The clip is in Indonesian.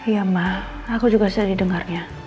iya ma aku juga sedih dengarnya